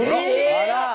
あら。